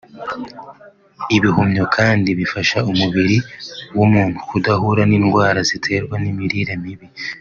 Ibihumyo kandi bifasha umubiri w’umuntu kudahura n’indwara ziterwa n’imirire mibi